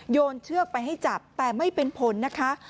โยนเชือกไปให้จับแต่ไม่เป็นผลนะคะ